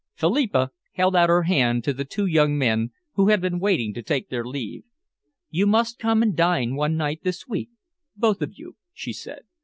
Philippa held out her hand to the two young men who had been waiting to take their leave. "You must come and dine one night this week, both of you," she said.